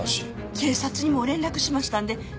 警察にも連絡しましたんでもうすぐ。